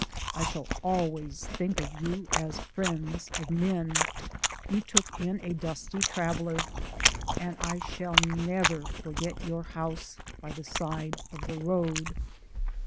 I shall always think of you as friends of men you took in a dusty traveller. And I shall never forget your house by the side of the road."